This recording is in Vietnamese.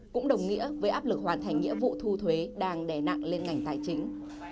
cũng đồng nghĩa với áp lực hoàn thành nghĩa vụ thu thuế đang đè nặng lên ngành tài chính